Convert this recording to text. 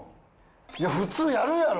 いや普通やるやろ。